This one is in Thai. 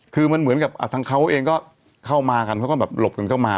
คือมันเหมือนกับทางเขาเองก็เข้ามากันเขาก็แบบหลบกันเข้ามา